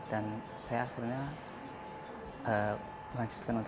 dan saya akhirnya melanjutkan